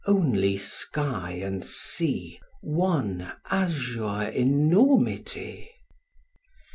Only sky and sea,—one azure enormity...